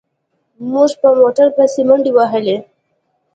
موږ په موټر پسې منډې وهلې.